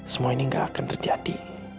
semua ini gak akan terjadi